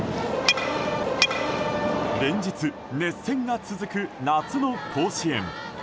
連日、熱戦が続く夏の甲子園。